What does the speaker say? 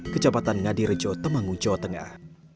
kecepatan ngadirjo temangu jawa tengah